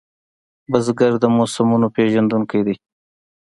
بزګر د موسمو پېژندونکی دی